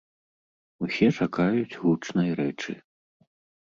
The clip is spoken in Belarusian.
Усе чакаюць гучнай рэчы.